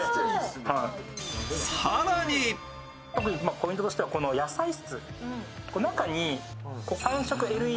ポイントとしてはこの野菜室。